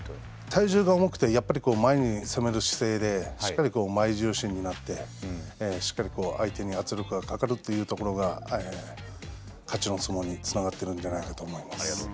体重が重くて、やっぱり前に攻める姿勢でしっかりと前重心になってしっかり相手に圧力がかかるというところが勝ちの相撲に流れありがとうございます。